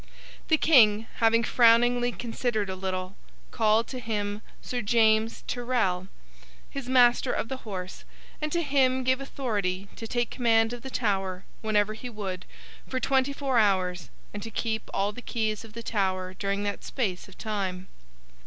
The King, having frowningly considered a little, called to him Sir James Tyrrel, his master of the horse, and to him gave authority to take command of the Tower, whenever he would, for twenty four hours, and to keep all the keys of the Tower during that space of time.